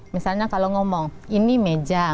misalnya kalau ngomong ini meja